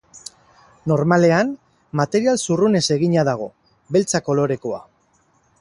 Normalean, material zurrunez egina dago, beltza kolorekoa.